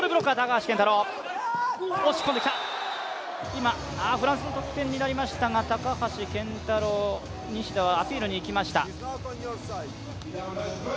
今、フランスの得点になりましたが高橋健太郎、西田がアピールに行きました。